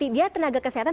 dia tenaga kesehatan